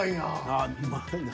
あっうまいな。